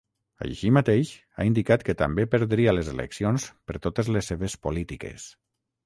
Així mateix, ha indicat que també perdria les eleccions per totes les seves polítiques.